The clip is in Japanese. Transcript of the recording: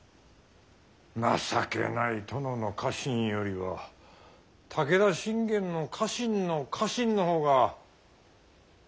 情けない殿の家臣よりは武田信玄の家臣の家臣の方が我らマシかもしれんのう。